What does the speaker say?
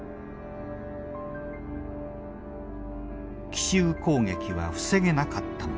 奇襲攻撃は防げなかったのか。